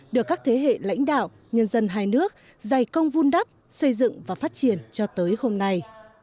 được các thế hệ lãnh đạo nhân dân hai nước dày công vun đắp xây dựng và phát triển cho tới hôm nay